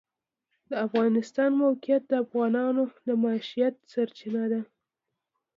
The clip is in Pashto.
د افغانستان د موقعیت د افغانانو د معیشت سرچینه ده.